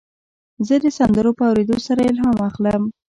زه د سندرو په اورېدو سره الهام اخلم.